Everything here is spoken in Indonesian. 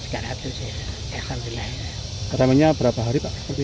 pertamanya berapa hari pak